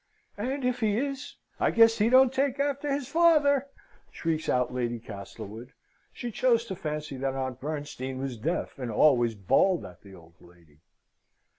"And if he is, I guess he don't take after his father," shrieks out Lady Castlewood. She chose to fancy that Aunt Bernstein was deaf, and always bawled at the old lady.